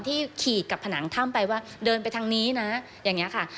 ขีดกับผนังถ้ำไปว่าเดินไปทางนี้นะอย่างนี้ค่ะ